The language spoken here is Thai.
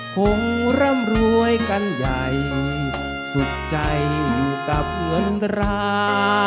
คงร่ำรวยกันใหญ่สุดใจอยู่กับเงินรา